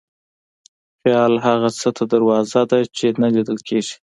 خیال هغه څه ته دروازه ده چې نه لیدل کېږي.